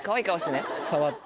触って。